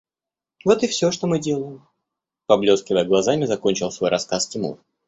– Вот и все, что мы делаем, – поблескивая глазами, закончил свой рассказ Тимур.